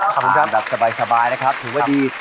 ขอบคุณครับขอบคุณครับอันดับสบายนะครับถือว่าดี